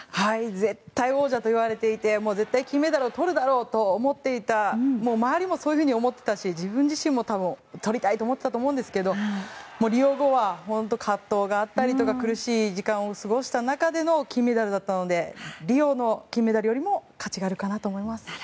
絶対王者といわれていて絶対金メダルをとるだろうと思っていた、周りもそういうふうに思っていたし自分自身も多分とりたいと思ってたと思うんですけどリオ後は葛藤があったりとか苦しい時間を過ごした中での金メダルだったのでリオの金メダルよりも価値があるかなと思います。